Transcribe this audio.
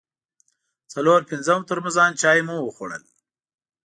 څلور پنځه ترموزان چای مو وخوړل.